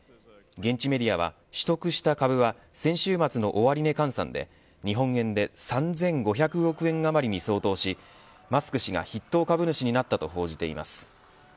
現地メディアは取得した株は先週末の終値換算で日本円で３５００億円余りに相当しマスク氏が筆頭株主になったと報じています。